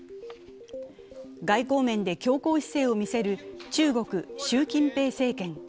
外交面で強硬姿勢を見せる中国・習近平政権。